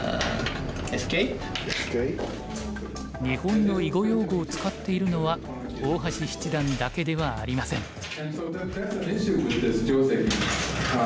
日本の囲碁用語を使っているのは大橋七段だけではありません。